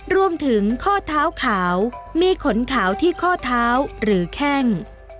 รวมถึงข้อเท้าขาวมีขนขาวที่ข้อเท้าหรือแข้ง